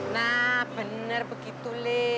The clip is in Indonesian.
nah benar begitu